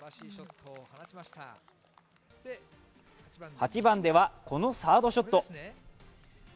８番では、このサードショット。